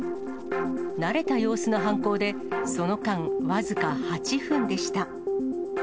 慣れた様子の犯行で、その間、僅か８分でした。